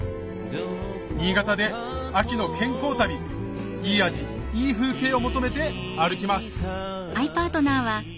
新潟で秋の健康旅いい味いい風景を求めて歩きます